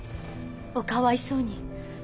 おかわいそうに。